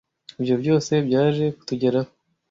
Ibyo byose byaje kutugeraho